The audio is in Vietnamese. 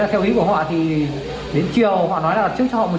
đấy là theo ý của họ thì đến chiều họ nói là đặt trước cho họ một triệu